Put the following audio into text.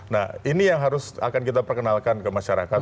nah ini yang harus akan kita perkenalkan ke masyarakat